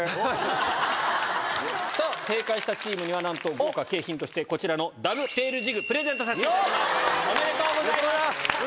さぁ正解したチームにはなんと豪華景品としてこちらのダブテールジグプレゼントさせていただきます。おめでとうございます